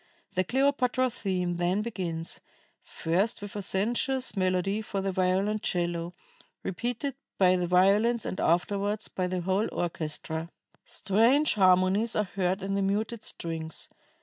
The Cleopatra theme then begins, first with a sensuous melody for the violoncello, repeated by the violins and afterwards by the whole orchestra. "Strange harmonies are heard in the muted strings.